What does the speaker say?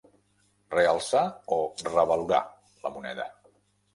Realçar o revalorar la moneda.